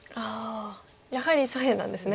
やはり左辺なんですね。